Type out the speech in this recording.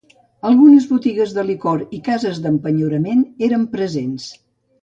Algunes botigues de licor i cases d'empenyorament eren presents.